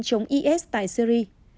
chống isis tại syria